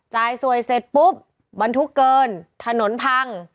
จ่ายสวยเสร็จปุ๊บบรรทุกเกินถนนพัง